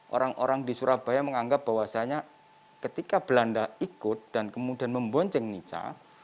orang orang di surabaya menganggap bahwasanya ketika belanda ikut dan kemudian membonceng nica